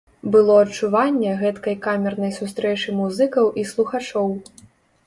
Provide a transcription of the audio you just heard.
Было адчуванне гэткай камернай сустрэчы музыкаў і слухачоў.